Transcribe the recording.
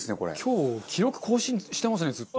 今日記録更新してますねずっと。